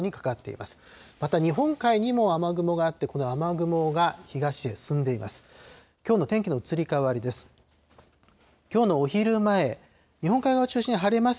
また、日本海にも雨雲があって、この雨雲が東へ進んでいます。